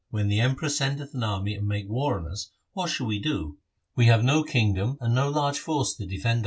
When the Emperor sendeth an army and maketh war on us, what shall we do ? We have no kingdom and no large force to defend our 1 Itihas Guru KMlsa.